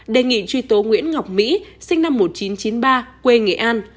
đề nghị truy tố nguyễn ngọc mỹ sinh năm một nghìn chín trăm chín mươi ba quê nghệ an